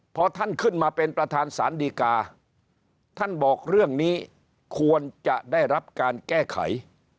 พอท่านขึ้นมาเป็นประธานสารดีกาท่านบอกเรื่องนี้ควรจะได้รับการแก้ไข